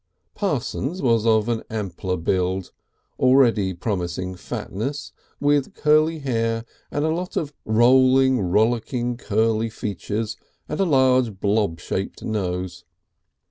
Parsons was of an ampler build, already promising fatness, with curly hair and a lot of rolling, rollicking, curly features, and a large blob shaped nose.